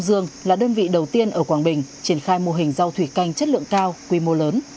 hải dương là đơn vị đầu tiên ở quảng bình triển khai mô hình rau thủy canh chất lượng cao quy mô lớn